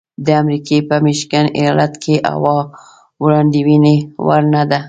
د امریکې په میشیګن ایالت کې هوا د وړاندوینې وړ نه ده.